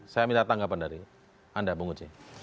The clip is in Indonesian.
saya minta tanggapan dari anda bung uci